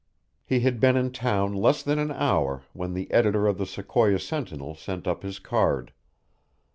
He had been in town less than an hour when the editor of the Sequoia Sentinel sent up his card.